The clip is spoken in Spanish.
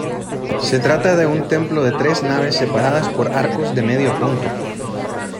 Se trata de un templo de tres naves separadas por arcos de medio punto.